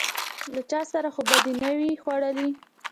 _له چا سره خو به دي نه و ي خوړلي؟